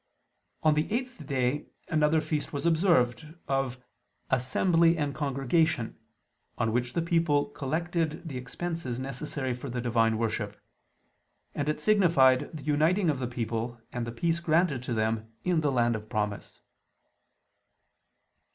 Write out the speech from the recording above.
On the eighth day another feast was observed, of "Assembly and Congregation," on which the people collected the expenses necessary for the divine worship: and it signified the uniting of the people and the peace granted to them in the Land of promise.